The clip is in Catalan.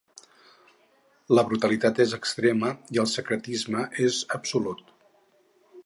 La brutalitat és extrema i el secretisme és absolut.